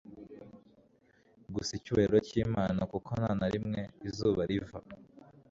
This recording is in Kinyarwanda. Gusa icyubahiro cyImana kuko nta na rimwe izuba riva